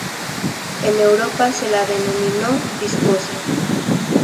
En Europa se la denominó viscosa.